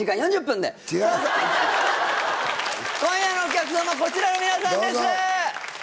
今夜のお客さまこちらの皆さんです！